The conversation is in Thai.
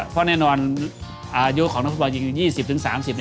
เพราะแน่นอนอายุของนักภูมิบ่ายิง๒๐๓๐